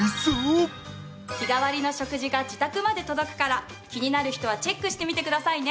日替わりの食事が自宅まで届くから気になる人はチェックしてみてくださいね。